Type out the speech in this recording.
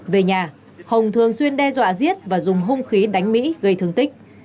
về nhà hồng thường xuyên đe dọa giết và dùng hung khí đánh mỹ gây thương tích